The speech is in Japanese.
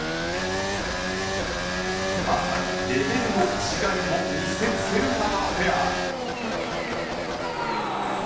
まさにレベルの違いを見せつけるナガマツペア。